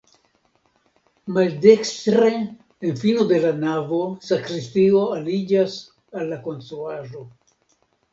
Maldekstre en fino de la navo sakristio aliĝas al la konstruaĵo.